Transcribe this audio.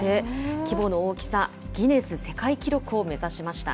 規模の大きさ、ギネス世界記録を目指しました。